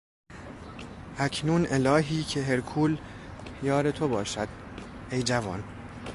اکنون الهی که هرکول یار تو باشد ای جوان.